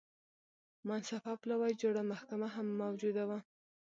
منصفه پلاوي جوړه محکمه هم موجوده وه.